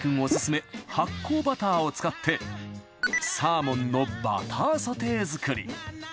オススメ発酵バターを使ってサーモンのバターソテー作り。